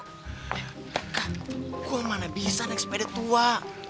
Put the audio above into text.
kak kok mana bisa naik sepeda tua